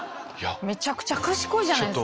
めちゃくちゃ賢いじゃないですか。